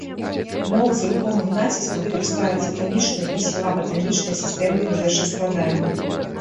Мовы з рухомым націскам карыстаюцца танічнай і сілаба-танічнай сістэмамі вершаскладання.